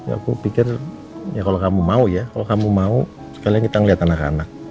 aku pikir ya kalau kamu mau ya kalau kamu mau sekalian kita ngeliat anak anak